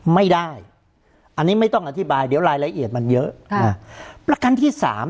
ไม่ได้อันนี้ไม่ต้องอธิบายเดี๋ยวรายละเอียดมันเยอะค่ะนะประกันที่สาม